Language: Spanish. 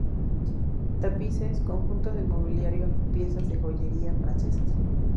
Tapices, conjunto de mobiliario y piezas de joyería francesas.